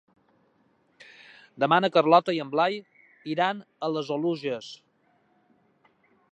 Demà na Carlota i en Blai iran a les Oluges.